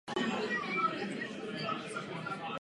Jeho sláva však ve skutečnosti teprve začínala.